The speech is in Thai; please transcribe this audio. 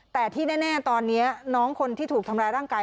แต่ที่แน่ตอนนี้น้องคนที่ถูกทำร้ายร่างกาย